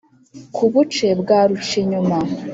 ku buce bwa rucinyuma